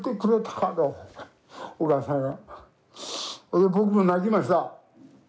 それで僕も泣きました。